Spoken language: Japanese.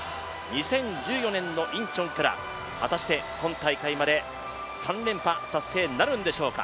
２０１４年のインチョンから果たして今大会まで３連覇達成なるんでしょうか。